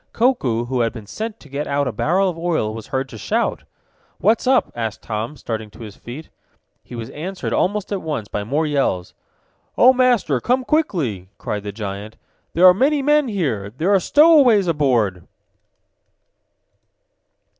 Koku, who had been sent to get out a barrel of oil, was heard to shout. "What's up?" asked Tom, starting to his feet. He was answered almost at once by more yells. "Oh, Master! Come quickly!" cried the giant. "There are many men here. There are stowaways aboard!"